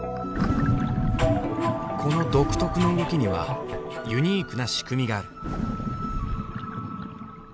この独特の動きにはユニークな仕組みがある。